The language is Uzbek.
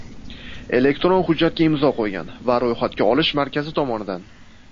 elektron hujjatga imzo qo‘ygan va ro‘yxatga olish markazi tomonidan